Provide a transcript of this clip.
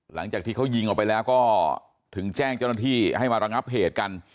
หลังจากที่เขายิงออกไปแล้วก็ถึงแจ้งเจ้าหน้าที่ให้มาระงับเหตุกัน